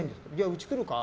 うち来るか？